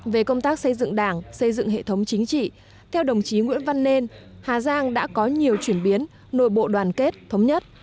về công tác xây dựng đảng xây dựng hệ thống chính trị theo đồng chí nguyễn văn nên hà giang đã có nhiều chuyển biến nội bộ đoàn kết thống nhất